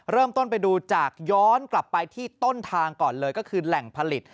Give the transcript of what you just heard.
เริ่มต้นไปดูจากย้อนกลับไปที่ต้นทางก่อนเลยก็คือแหล่งผลิต